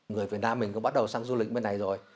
người việt nam mình có bắt đầu sang du lịch bên này rồi